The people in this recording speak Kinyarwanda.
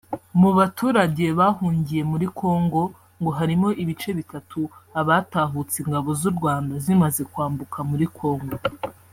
Mu baturage bahungiye muri Congo ngo harimo ibice bitatu; abatahutse Ingabo z’u Rwanda zimaze kwambuka muri Congo